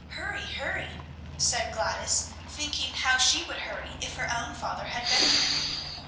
Hurry! hurry!" said Gladys, thinking how she would hurry if her own father had been there.